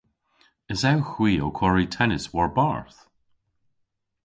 Esewgh hwi ow kwari tennis war-barth?